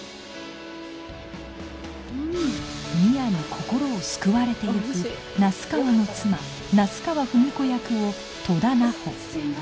深愛に心を救われていく那須川の妻那須川ふみこ役を戸田菜穂